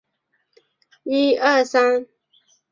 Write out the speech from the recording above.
道光十六年任江苏嘉定县知县。